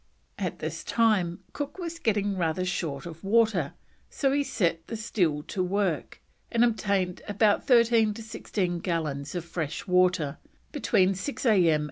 At this time Cook was getting rather short of water, so he set the still to work, and obtained from "13 to 16 gallons of fresh water" between 6 A.M.